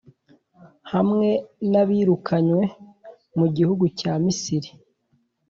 hamwe n’abirukanywe mu gihugu cya Misiri,